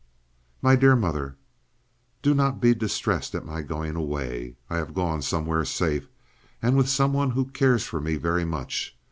— "MY DEAR MOTHER, "Do not be distressed at my going away. I have gone somewhere safe, and with some one who cares for me very much.